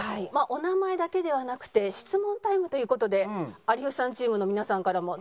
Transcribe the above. お名前だけではなくて質問タイムという事で有吉さんチームの皆さんから。